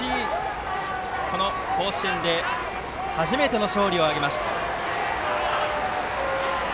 甲子園でうれしい初めての勝利を挙げました。